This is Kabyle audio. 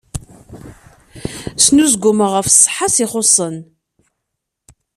Snuzgumeɣ ɣef ṣṣeḥḥa-s ixuṣṣen.